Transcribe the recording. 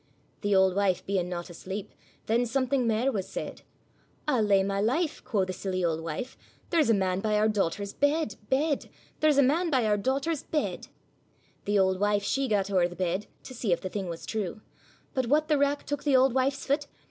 The auld wife being not asleep, Then something mair was said; 'I'll lay my life,' quo' the silly auld wife, 'There's a man by our dochter's bed, bed; There's a man by our dochter's bed.' The auld wife she gat owre the bed, To see if the thing was true; But what the wrack took the auld wife's fit?